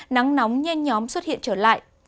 nắng nóng nhanh nhóm xuất hiện trở lại